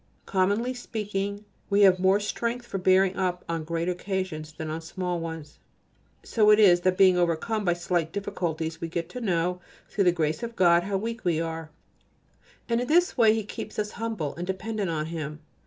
Commonly speaking, we have more strength for bearing up on great occasions than on small ones, so it is that being overcome by slight difficulties we get to know, through the grace of God, how weak we are, and in this way He keeps us humble and dependent on Him.